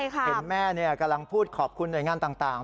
เห็นแม่กำลังพูดขอบคุณหน่วยงานต่าง